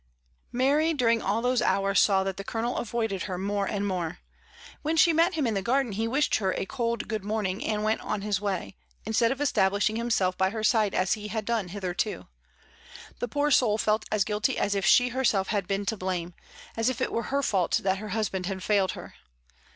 Mary during all those hours saw that the Colonel avoided her more and more. When she met him in the garden he wished her a cold good morning and went on his way, instead of establishing himself by her side as he had done hitherto. The poor soul felt as guilty as if she herself had been to blame, as if it was her fault that her husband had failed her.